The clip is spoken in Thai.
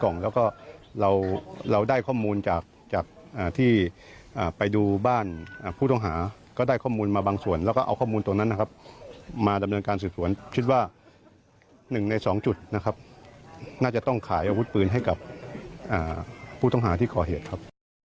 น่าจะต้องขายอาวุธปืนให้กับผู้ต้องหาที่ขอเหตุครับ